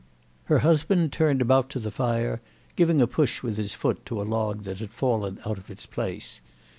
Her husband turned about to the fire, giving a push with his foot to a log that had fallen out of its place.